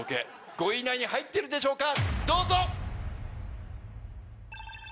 ５位以内に入ってるでしょうか